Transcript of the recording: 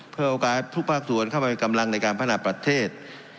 เพื่อโอกาสทุกภาคส่วนเข้าไปกำลังในการพัฒนาประเทศ